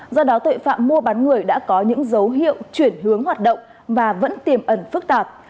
do đó tội phạm mua bán người đã có những dấu hiệu chuyển hướng hoạt động và vẫn tiềm ẩn phức tạp